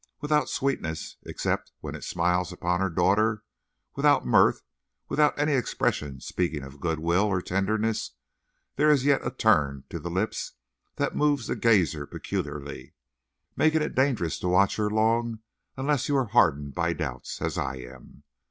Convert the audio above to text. Without sweetness, except when it smiles upon her daughter, without mirth, without any expression speaking of good will or tenderness, there is yet a turn to the lips that moves the gazer peculiarly, making it dangerous to watch her long unless you are hardened by doubts, as I am.